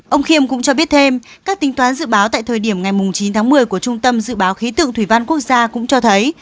ông khiêm cũng cho biết thêm các tính toán dự báo tại thời điểm ngày chín tháng một mươi của trung tâm dự báo khí tượng thủy văn quốc gia cũng cho thấy